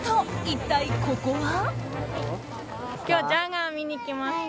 一体ここは？